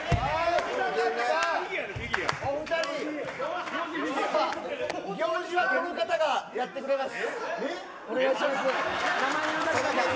わかるぞ行司はこの方がやってくれます。